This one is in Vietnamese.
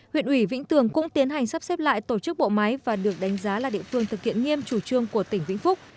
huyện ủy vĩnh tường cũng tiến hành sắp xếp lại tổ chức bộ máy và được đánh giá là địa phương thực hiện nghiêm chủ trương của tỉnh vĩnh phúc